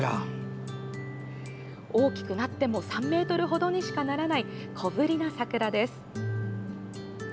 大きくなっても３ｍ程にしかならない小ぶりな桜です。